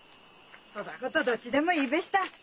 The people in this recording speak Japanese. そだごとどっちでもいいべした。